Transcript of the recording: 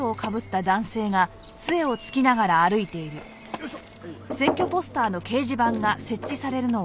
よいしょ。